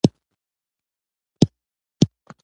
سیاسي مرکزیت پیاوړي کول په کاري پلان کې شامل شو.